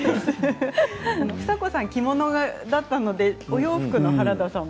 房子さんは着物だったのでお洋服の原田さん